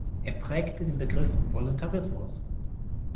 Er prägte den Begriff Voluntarismus.